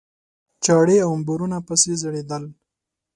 چاړې او امبورونه پسې ځړېدل.